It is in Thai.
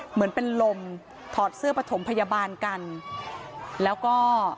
เหมือนเป็นลมถอดเสื้อประถมพยาบาลกันแล้วก็